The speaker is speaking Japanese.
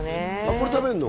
これ食べんの？